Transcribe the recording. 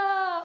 aku mau pergi